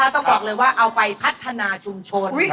ต้องบอกเลยว่าเอาไปพัฒนาชุมชน